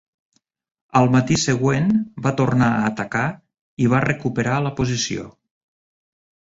Al matí següent va tornar a atacar i va recuperar la posició.